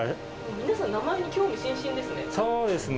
皆さん名前に興味津々ですね。